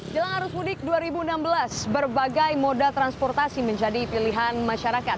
jelang arus mudik dua ribu enam belas berbagai moda transportasi menjadi pilihan masyarakat